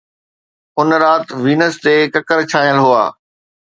اُن رات، وينس تي ڪڪر ڇانيل هئا